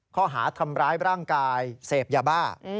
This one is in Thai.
ข้อหาทำร้ายร่างกายเสพยาบ้า